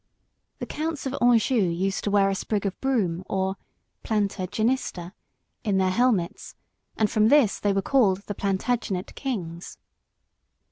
The Counts of Anjou used to wear a sprig of broom, or planta genista, in their helmets, and from this they were called the Plantagenet Kings.